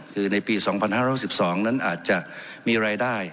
คือในปี๒๕๖๒นั้นอาจจะมีรายได้